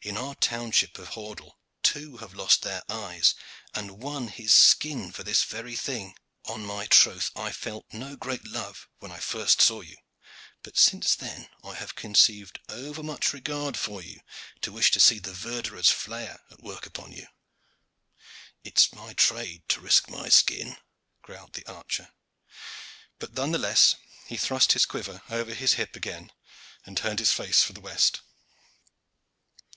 In our own township of Hordle two have lost their eyes and one his skin for this very thing. On my troth, I felt no great love when I first saw you, but since then I have conceived over much regard for you to wish to see the verderer's flayer at work upon you." "It is my trade to risk my skin," growled the archer; but none the less he thrust his quiver over his hip again and turned his face for the west.